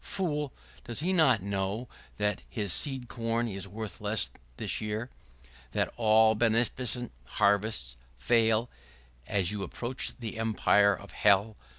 Fool! does he not know that his seed corn is worth less this year — that all beneficent harvests fail as you approach the empire of hell?